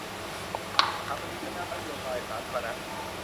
สถาปนิกและนักนโยบายสาธารณะ